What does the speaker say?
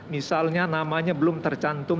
misalnya namanya belum tercantum